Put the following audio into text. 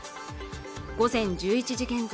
午前１１時現在